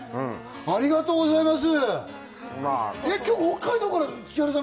ありがとうございます。